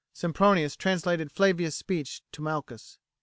Sempronius translated Flavia's speech to Malchus.